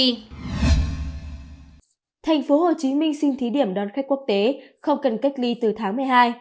thành phố hồ chí minh xin thí điểm đón khách quốc tế không cần cách ly từ tháng một mươi hai